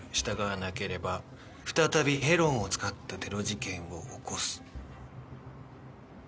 従わなければ再びヘロンを使ったテロ事件を起こす」。